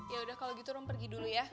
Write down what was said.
ya udah kalau gitu rom pergi dulu ya